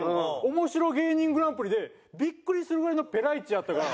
面白芸人グランプリでビックリするぐらいのペラ１やったから。